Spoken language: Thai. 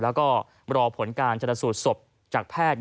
แล้วก็รอผลการชนสูตรศพจากแพทย์